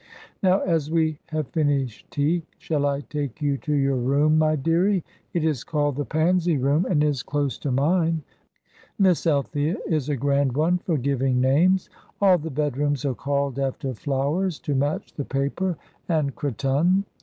Now, as we have finished tea, shall I take you to your room, my dearie? It is called the Pansy Room, and is close to mine. Miss Althea is a grand one for giving names. All the bedrooms are called after flowers, to match the paper and cretonne.